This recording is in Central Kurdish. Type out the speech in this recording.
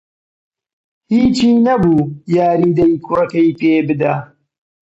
هیچی نەبوو یاریدەی کوڕەکەی پێ بدا